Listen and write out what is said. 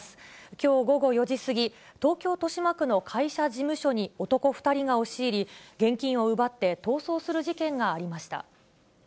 きょう午後４時過ぎ、東京・豊島区の会社事務所に男２人が押し入り、現金を奪って逃走する事件がありました。